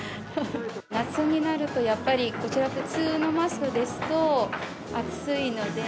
夏になると、やっぱりこちら、普通のマスクですと、暑いので。